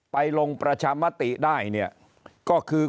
ลงประชามติได้เนี่ยก็คือ